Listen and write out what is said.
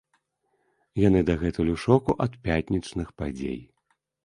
Яна дагэтуль ў шоку ад пятнічных падзей.